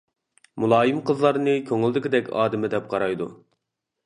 مۇلايىم قىزلارنى كۆڭۈلدىكىدەك ئادىمى دەپ قارايدۇ.